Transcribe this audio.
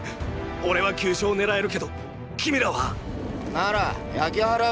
おれは急所を狙えるけど君らは！なら焼き払うか。